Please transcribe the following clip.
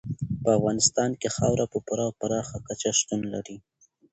په افغانستان کې خاوره په پوره او پراخه کچه شتون لري.